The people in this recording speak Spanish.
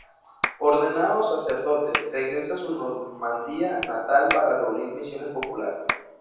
Ordenado sacerdote, regresa a su Normandía natal para reunir misiones populares.